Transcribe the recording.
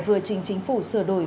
vừa chính chính phủ sửa đổi